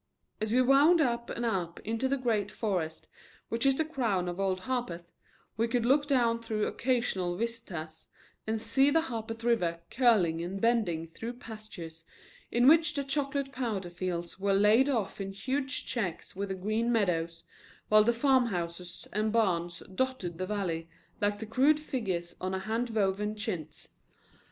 As we wound up and up into the great forest which is the crown of Old Harpeth, we could look down through occasional vistas and see the Harpeth River curling and bending through pastures in which the chocolate plowed fields were laid off in huge checks with the green meadows, while the farmhouses and barns dotted the valley like the crude figures on a hand woven chintz.